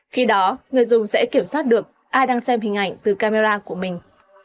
khi đó người dùng sẽ kiểm soát được ai đang xem hình ảnh từ camera của mình